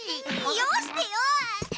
よしてよ！